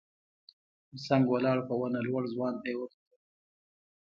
تر څنګ ولاړ په ونه لوړ ځوان ته يې وکتل.